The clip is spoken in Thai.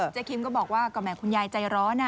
เจ๊คิมก็บอกว่าแม่คุณยายใจร้้อนะ